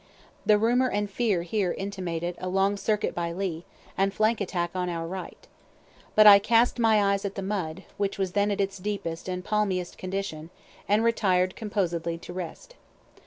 The rumor and fear here intimated a long circuit by Lee, and flank attack on our right. But I cast my eyes at the mud, which was then at its deepest and palmiest condition, and retired composedly to rest.